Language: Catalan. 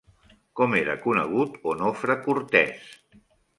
Com era conegut Onofre Cortés?